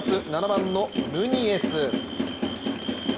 ７番のヌニエス。